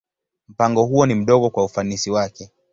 Mpango huo ni mdogo kwa ufanisi wake.